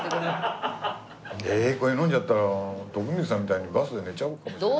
ええこれ飲んじゃったら徳光さんみたいにバスで寝ちゃうかもしれない。